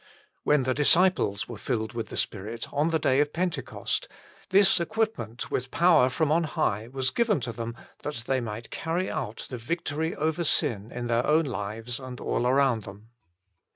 When the disciples were filled with the Spirit on the day of Pentecost, this equipment with power from on high was given to them that they might carry out the victory over sin in their own lives and all around them.